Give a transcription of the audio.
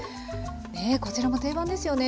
ねこちらも定番ですよね。